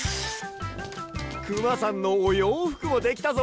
くまさんのおようふくもできたぞ。